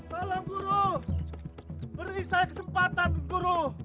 tolong guru beri saya kesempatan guru